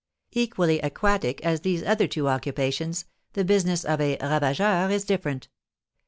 Equally aquatic as these other two occupations, the business of a ravageur is different.